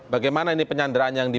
bagaimana ini penyanderaan yang di